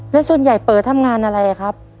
แล้วส่วนใหญ่เป๋อทำงานอะไรครับ